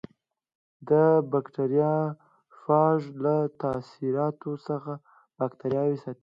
د بکټریوفاژ له تاثیراتو څخه باکتریاوې ساتي.